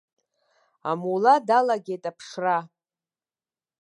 Амула далагеит аԥшра.